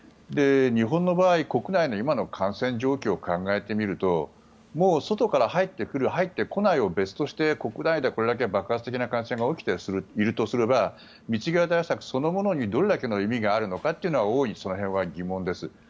日本の場合は国内の今の感染状況を考えてみるともう外から入ってくる入ってこないを別として国内でこれだけ爆発的な感染が起きているとすれば水際対策そのものにどれだけ意味があるのかというのは大いに疑問です。